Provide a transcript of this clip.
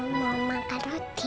mau makan roti